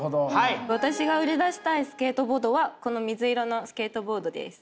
私が売り出したいスケートボードはこの水色のスケートボードです。